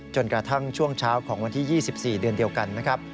จนกระทั่งช่วงเช้าของวันที่๒๔เดือนเดียวกันนะครับ